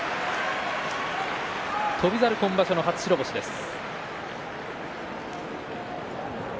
翔猿、今場所の初白星です。